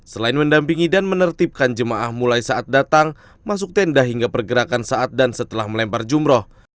selain mendampingi dan menertibkan jemaah mulai saat datang masuk tenda hingga pergerakan saat dan setelah melempar jumroh